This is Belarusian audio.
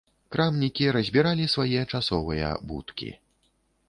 Крамнікі разбіралі свае часовыя будкі.